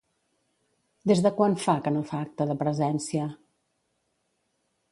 Des de quan fa que no fa acte de presència?